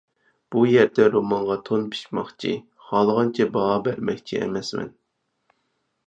بۇ يەردە رومانغا تون پىچماقچى، خالىغانچە باھا بەرمەكچى ئەمەسمەن.